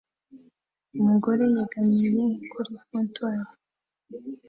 Umugabo yegamiye kuri contwari